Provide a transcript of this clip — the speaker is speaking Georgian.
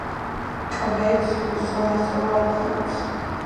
კვეთს უსწორმასწორო ადგილებს.